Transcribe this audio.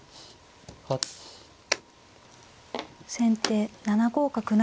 先手７五角成。